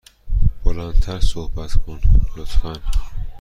بلند تر صحبت کن، لطفا.